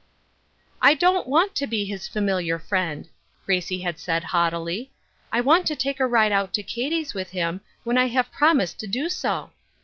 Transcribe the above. " I don't want to be his familiar friend," Gracie had said, haughtily. " I want to take a ride out to Katie's with him when I have prom isee^ to do so."